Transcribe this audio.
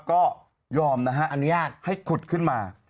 ก็ยอมนะฮะให้ขุดขึ้นมา